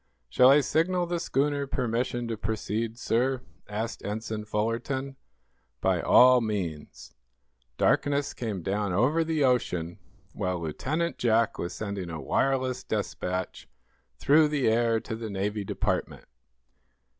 "Shall I signal the schooner permission to proceed, sir?" asked Ensign Fullerton. "By all means." Darkness came down over the ocean while Lieutenant Jack was sending a wireless despatch through the air to the Navy Department.